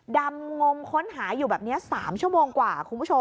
ดำมงมค้นหายอยู่แบบนี้๓ชั่วโมงกว่า